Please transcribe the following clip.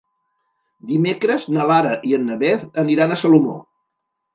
Dimecres na Lara i na Beth aniran a Salomó.